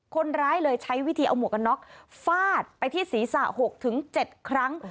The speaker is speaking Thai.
คนร้ายเลยใช้วิธีเอาหมวกกันน็อกฟาดไปที่ศีรษะ๖๗ครั้ง